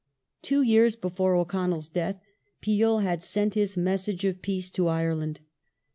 ^ Two years before O'Connell's death Peel had sent his " message Peel's of peace" to Ireland.